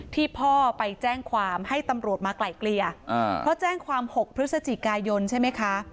พ่อไปแจ้งความให้ตำรวจมาไกลเกลี่ยเพราะแจ้งความ๖พฤศจิกายนใช่ไหมคะ